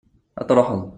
ad truḥeḍ